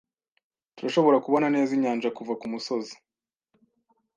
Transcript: Turashobora kubona neza inyanja kuva kumusozi.